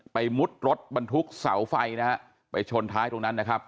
มุดรถบรรทุกเสาไฟนะฮะไปชนท้ายตรงนั้นนะครับ